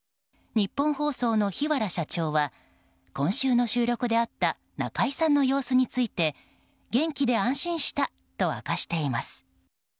ニッポン放送の檜原社長は今週の収録であった中居さんの様子について元気で安心したと明かしています。